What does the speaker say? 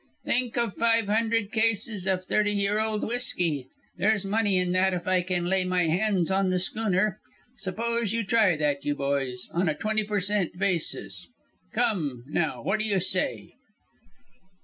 Think of five hundred cases of thirty year old whisky! There's money in that if I can lay my hands on the schooner. Suppose you try that, you boys on a twenty per cent. basis. Come now, what do you say?"